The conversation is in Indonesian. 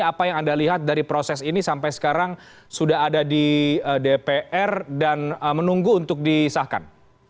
apa yang anda lihat dari proses ini sampai sekarang sudah ada di dpr dan menunggu untuk disahkan